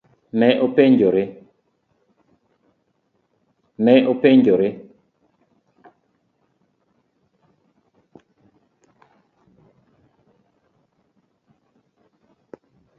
Ne openjore.